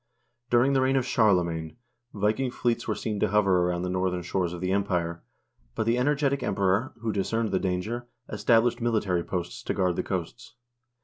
During the reign of Charlemagne, Viking fleets were seen to hover around the northern shores of the Empire, but the energetic Emperor, who discerned the danger, established military posts to guard the coasts.